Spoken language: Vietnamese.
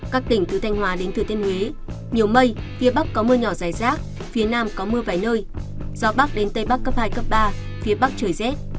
các tỉnh từ thanh hóa đến thừa thiên huế nhiều mây phía bắc có mưa nhỏ dài rác phía nam có mưa vài nơi gió bắc đến tây bắc cấp hai cấp ba phía bắc trời rét